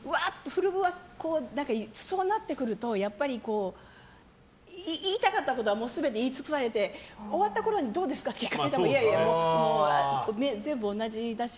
そうなってくるとやっぱり言いたかったことは全て言い尽くされて終わったころにどうですか？って聞かれてもいやいや、全部同じだし。